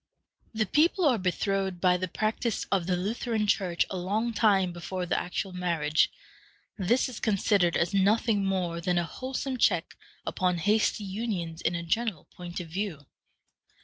The people are betrothed by the practice of the Lutheran Church a long time before the actual marriage. This is considered as nothing more than a wholesome check upon hasty unions in a general point of view.